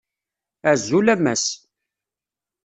Azul a Mass!